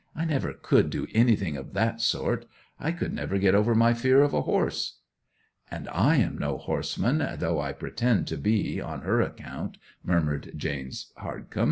.. I never could do anything of that sort; I could never get over my fear of a horse." '"And I am no horseman, though I pretend to be on her account," murmured James Hardcome.